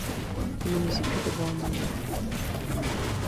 Municipio de Boone No.